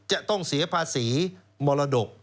จะต้องเสียภาษีมรดก